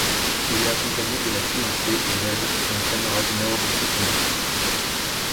Il est accompagné de la fiancée, veuve, d'un camarade mort dans ces combats.